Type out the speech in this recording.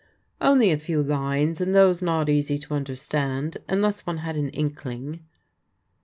" Only a few lines ; and those not easy to understand, unless one had an inkling."